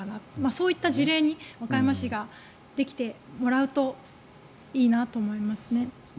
そういった事例に和歌山市ができてもらうといいなと思いますね。